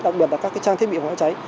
đặc biệt là các trang thiết bị khói cháy